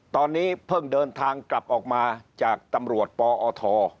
ตอนนี้เพิ่งเดินทางกลับออกมาจากตำรวจปอท